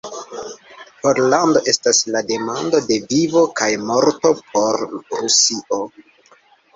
Pollando estas la demando de vivo kaj morto por Rusio.